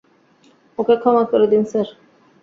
ওকে ক্ষমা করে দিন, স্যার।